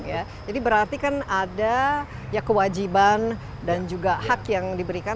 jadi berarti kan ada kewajiban dan juga hak yang diberikan